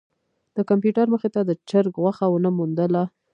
د کمپیوټر مخې ته د چرک غوښه ونه موندله.